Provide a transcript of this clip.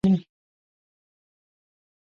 پسرلی د افغانستان د طبیعت برخه ده.